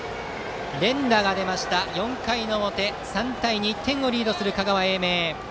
連打が出ました、４回の表３対２と１点リードの香川・英明。